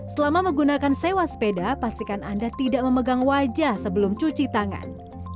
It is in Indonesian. selama menggunakan sewa sepeda pastikan anda tidak memegang wajah sebelum cuci tangan